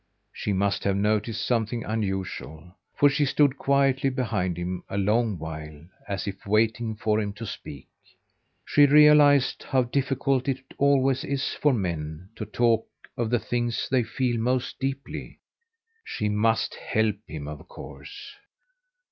She must have noticed something unusual, for she stood quietly behind him a long while, as if waiting for him to speak. She realized how difficult it always is for men to talk of the things they feel most deeply. She must help him of course.